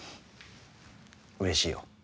うれしいよ。